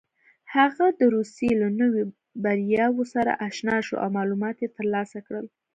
هغه د روسيې له نویو بریاوو سره اشنا شو او معلومات یې ترلاسه کړل.